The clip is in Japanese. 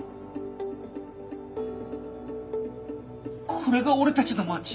これが俺たちの町！？